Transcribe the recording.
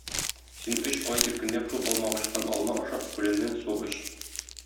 Син өч ай иркенләп шул алмагачтан алма ашап, күленнән су эч.